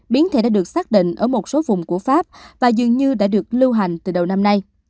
biến thể đã được xác định ở một số vùng của pháp và dường như đã được lưu hành từ đầu năm nay